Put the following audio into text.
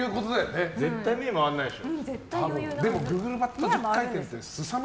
絶対、目回らないでしょ。